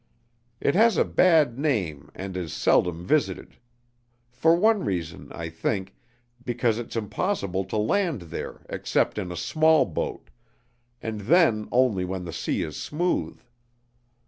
It has a bad name and is seldom visited; for one reason, I think, because it's impossible to land there except in a small boat, and then only when the sea is smooth.